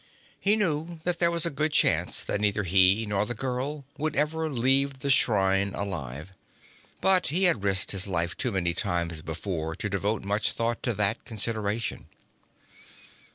He knew there was a good chance that neither he nor the girl would ever leave the shrine alive, but he had risked his life too many times before to devote much thought to that consideration.